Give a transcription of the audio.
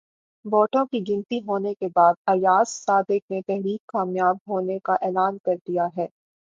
ووٹوں کی گنتی ہونے کے بعد ایاز صادق نے تحریک کامیاب ہونے کا اعلان کر دیا ہے